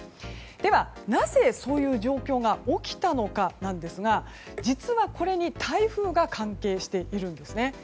では、なぜそういう状況が起きたのかなんですが実は、これに台風が関係しているんですね。